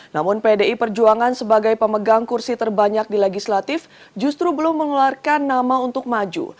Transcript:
namun pdi perjuangan sebagai pemegang kursi terbanyak di legislatif justru belum mengeluarkan nama untuk maju